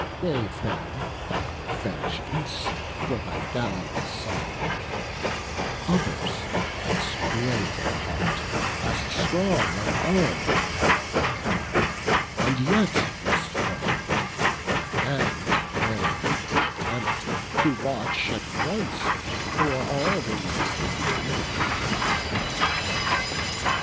Waive then thy vengeance for thy gallant son; Others as brave of heart, as strong of arm, Have fall'n, and yet must fall; and vain th' attempt To watch at once o'er all the race of men."